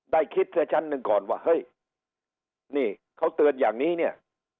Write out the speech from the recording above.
ได้คิดเสียชั้นหนึ่งก่อนว่าเฮ้ยนี่เขาเตือนอย่างนี้เนี่ย